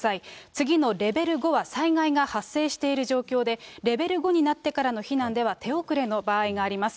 次のレベル５は災害が発生している状況で、レベル５になってからの避難では手遅れの場合があります。